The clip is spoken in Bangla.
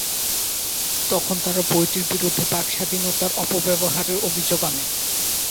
তখন তারা বইটির বিরুদ্ধে বাক স্বাধীনতার অপব্যবহারের অভিযোগ আনে।